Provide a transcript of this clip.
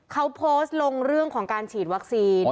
เขาโพสต์ลงเรื่องของการฉีดวัคซีน